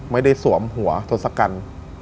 ไม่ได้สวมหัวทศกัณฐ์